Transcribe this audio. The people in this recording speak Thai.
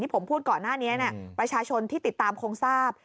ผมพูดก่อนหน้านี้ประชาชนที่ติดตามคงทราบ